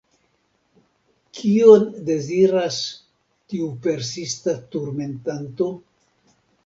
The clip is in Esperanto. Kion deziras tiu persista turmentanto?